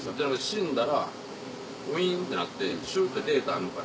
死んだらウィンってなってシュってデータ抜かれる。